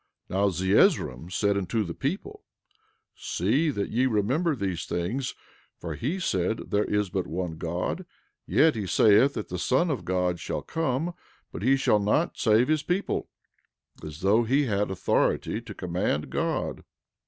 11:35 Now Zeezrom said unto the people: See that ye remember these things; for he said there is but one God; yet he saith that the Son of God shall come, but he shall not save his people—as though he had authority to command God.